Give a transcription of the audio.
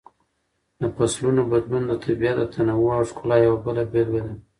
د فصلونو بدلون د طبیعت د تنوع او ښکلا یوه بله بېلګه ده.